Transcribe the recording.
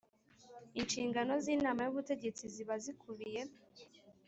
Inshingano z inama y ubutegetsi ziba zikubiye